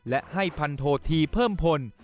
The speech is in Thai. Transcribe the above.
และให้พันโทธีเพิ่มพล